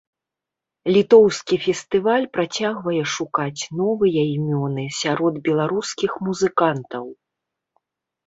Літоўскі фестываль працягвае шукаць новыя імёны сярод беларускіх музыкантаў.